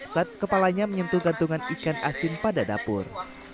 saat kepalanya menyentuh gantungan ikan asin pada dapur